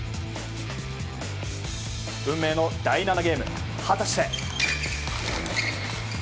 運命の第７ゲーム、果たして。